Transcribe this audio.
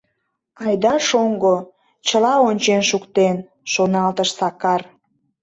«Айда шоҥго, чыла ончен шуктен!» — шоналтыш Сакар.